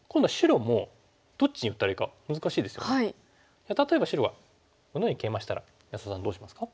じゃあ例えば白がこのようにケイマしたら安田さんどうしますか？